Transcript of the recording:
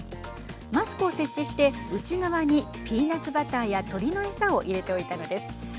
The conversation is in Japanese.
マスクを設置して内側にピーナツバターや鳥の餌を入れておいたのです。